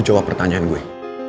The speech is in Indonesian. lo jawab pertanyaan gue